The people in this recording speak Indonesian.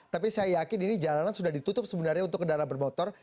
tapi saya yakin ini jalanan sudah ditutup sebenarnya untuk kendaraan bermotor